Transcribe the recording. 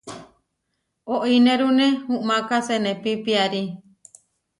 Oínerune umáka senepí piarí.